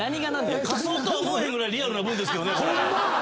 仮想とは思えへんぐらいリアルな文ですけどね。